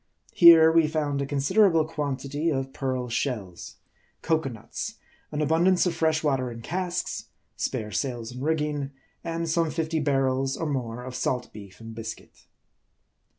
Here, we found a considerable quantity of pearl shells ; cocoanuts ; an abundance of fresh water in casks ; spare sails and rigging ; and some fifty bar rels or more of salt beef and biscuit.